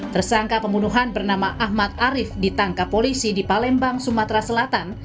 tersangka pembunuhan bernama ahmad arief ditangkap polisi di palembang sumatera selatan